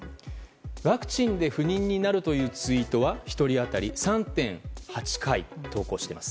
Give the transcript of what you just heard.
ワクチンで不妊になるというツイートは１人当たり３．８回投稿しています。